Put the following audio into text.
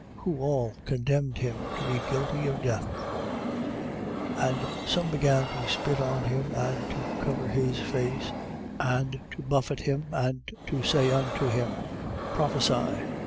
Who all condemned him to be guilty of death. 14:65. And some began to spit on him and to cover his face and to buffet him and to say unto him: Prophesy.